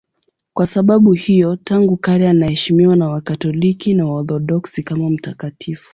Kwa sababu hiyo tangu kale anaheshimiwa na Wakatoliki na Waorthodoksi kama mtakatifu.